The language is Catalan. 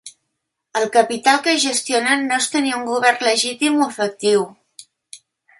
El capital que gestionen no és tenir un govern legítim o efectiu.